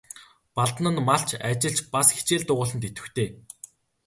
Балдан нь малч, ажилч, бас хичээл дугуйланд идэвхтэй.